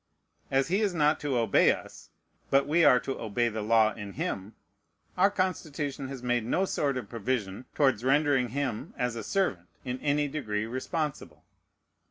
As he is not to obey us, but we are to obey the law in him, our Constitution has made no sort of provision towards rendering him, as a servant, in any degree responsible.